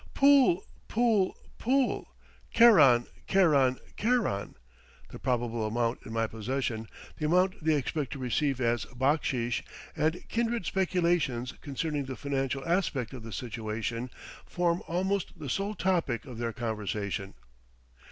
"Pool, pool, pool keran, keran, keran," the probable amount in my possession, the amount they expect to receive as backsheesh, and kindred speculations concerning the financial aspect of the situation, form almost the sole topic of their conversation.